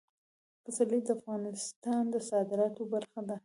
پسرلی د افغانستان د صادراتو برخه ده.